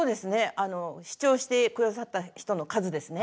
あの視聴してくださった人の数ですね。